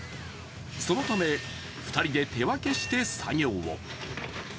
そのため、２人で手分けして作業を。